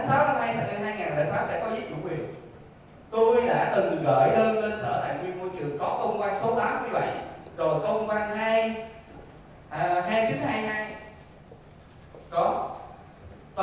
tôi đã từng gửi đơn lên sở tài nguyên môi trường có công quan số tám mươi bảy rồi công quan hai nghìn chín trăm hai mươi hai